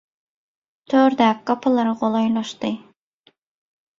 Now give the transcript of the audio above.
Tördäki gapylara golaýlaşdy.